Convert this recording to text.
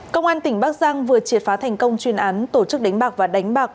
công an tỉnh bắc giang vừa triệt phá thành công chuyên án tổ chức đánh bạc và đánh bạc